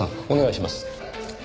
お願いします。